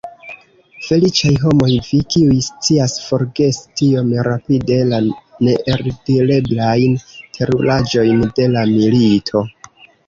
Feliĉaj homoj vi, kiuj scias forgesi tiom rapide la neeldireblajn teruraĵojn de la milito!